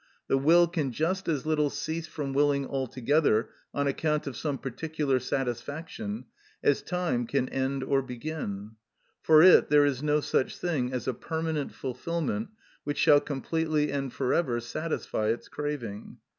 The will can just as little cease from willing altogether on account of some particular satisfaction, as time can end or begin; for it there is no such thing as a permanent fulfilment which shall completely and for ever satisfy its craving.